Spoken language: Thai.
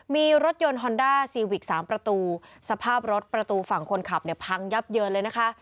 มีรถยนต์ฮอนด้าซีวิก๓ประตูสภาพรถประตูฝั่งคนขับเนี่ยพังยับเยินเลยนะคะ